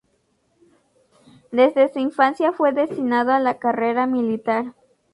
Desde su infancia fue destinado a la carrera militar.